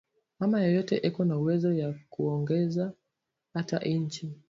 Mama yeyote eko na uwezo ya ku ongoza ata inchi